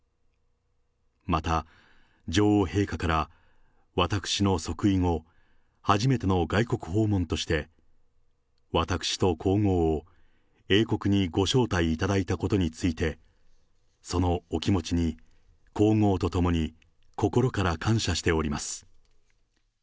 また、女王陛下から私の即位後、初めての外国訪問として、私と皇后を英国にご招待いただいたことについて、そのお気持ちに、皇后と共に心から感謝しております。